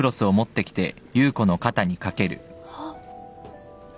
あっ。